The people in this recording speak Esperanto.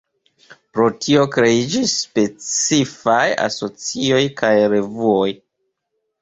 Pro tio, kreiĝis specifaj asocioj kaj revuoj.